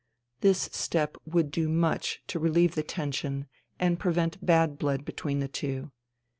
This step would do much to relieve the tension and prevent bad blood between the two.